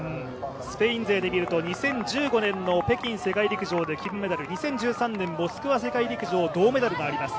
スペイン勢で見ると２０１５年北京で金メダル、２０１３、モスクワ世界陸上、銅メダルもあります。